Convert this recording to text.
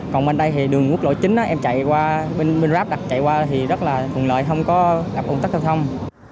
còn bên đây thì đường quốc lộ chín em chạy qua bên bên ráp đặt chạy qua thì rất là thuận lợi không có gặp ủng tắc giao thông